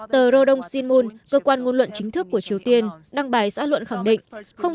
tờ rodong shinmun cơ quan ngôn luận chính thức của triều tiên đăng bài xã luận khẳng định không